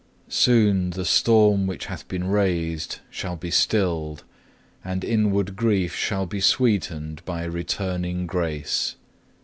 Soon the storm which hath been raised shall be stilled, and inward grief shall be sweetened by returning grace.